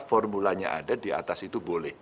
formulanya ada di atas itu itu sudah ada